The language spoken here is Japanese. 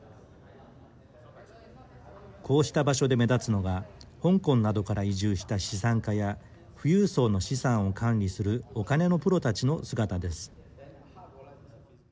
こうした場所で目立つのが香港などから移住した資産家や富裕層の資産を管理するお金のプロたちの姿です。